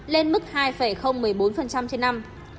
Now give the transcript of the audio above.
lên mức hai một mươi bốn phần trăm trên năm